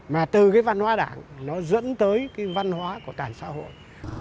mà từ cái văn hóa đảng nó dẫn tới cái văn hóa của toàn xã hội